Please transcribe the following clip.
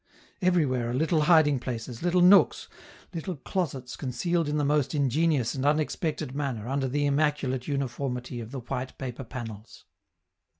Everywhere are little hiding places, little nooks, little closets concealed in the most ingenious and unexpected manner under the immaculate uniformity of the white paper panels.